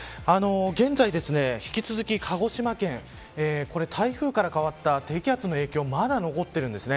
現在、引き続き鹿児島県台風から変わった低気圧の影響がまだ残っているんです。